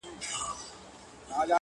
ما ستا لپاره په خزان کي هم کرل گلونه؛